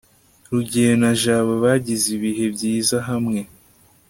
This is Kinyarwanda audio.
rugeyo na jabo bagize ibihe byiza hamwe